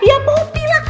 ya popi lah